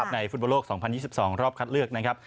ในฟุตบอลโลก๒๐๒๒รอบคัดเลือกนะครับ